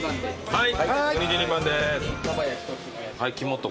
はい。